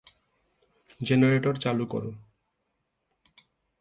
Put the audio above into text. Generator চালু করো।